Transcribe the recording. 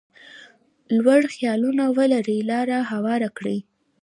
لوړ خیالونه ولري لاره هواره کړي.